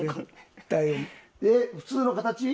えっ普通の形？